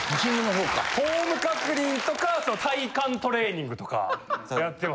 フォーム確認とか体幹トレーニングとかやってます。